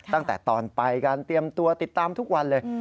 ตั้งแต่ตอนไปการเตรียมตัวติดตามทุกวันเลย